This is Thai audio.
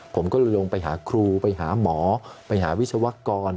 ผมก็เลยลงไปหาครูไปหาหมอไปหาวิศวกร